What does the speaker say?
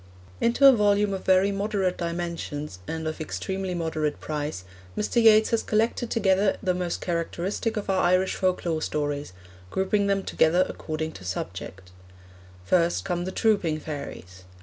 Into a volume of very moderate dimensions, and of extremely moderate price, Mr. Yeats has collected together the most characteristic of our Irish folklore stories, grouping them together according to subject. First come The Trooping Fairies.